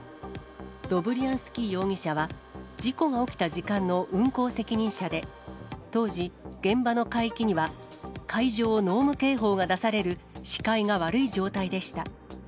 ドブリアンスキー容疑者は、事故が起きた時間の運航責任者で、当時、現場の海域には、海上濃霧警報が出される、視界が悪い状態でした。